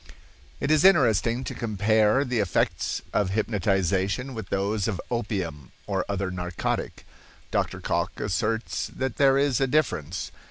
It is interesting to compare the effects of hypnotization with those of opium or other narcotic. Dr. Cocke asserts that there is a difference.